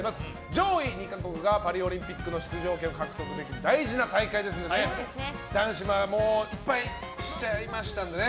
上位２か国がパリオリンピックの出場権を獲得できる大事な大会ですので男子は１敗しちゃいましたから。